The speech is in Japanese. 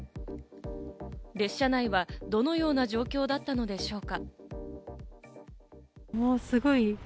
列車内はどのような状況だったのでしょうか。